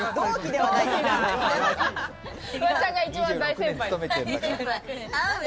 フワちゃんが一番大先輩。